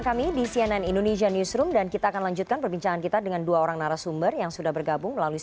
kasus ketika saya dulu di